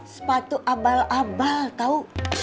sepatu abal abal tau